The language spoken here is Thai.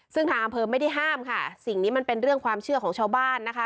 ซึ่งทางอำเภอไม่ได้ห้ามค่ะสิ่งนี้มันเป็นเรื่องความเชื่อของชาวบ้านนะคะ